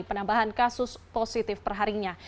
penambahan kasus positif perharinya